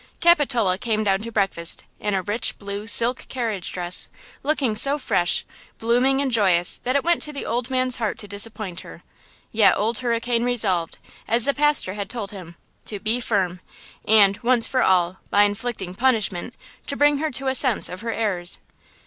Capitola came down to breakfast in a rich blue silk carriage dress, looking so fresh, blooming and joyous that it went to the old man's heart to disappoint her; yet Old Hurricane resolved, as the pastor had told him, to "be firm" and, once for all, by inflicting punishment, to bring her to a sense of her errors.